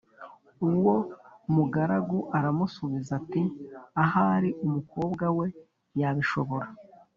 Uwo mugaragu aramusubiza ati Ahari umukobwa we yabishobora